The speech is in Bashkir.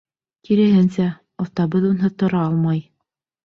Киреһенсә, оҫтабыҙ унһыҙ тора алмай.